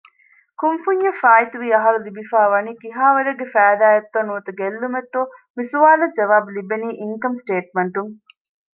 ކުންފުންޏަށް ފާއިތުވި އަހަރު ލިބިފައިވަނީ ކިހާވަރެއްގެ ފައިދާ އެއްތޯ ނުވަތަ ގެއްލުމެއްތޯ؟ މިސުވާލަށް ޖަވާބު ލިބެނީ އިންކަމް ސޓޭޓްމަންޓުން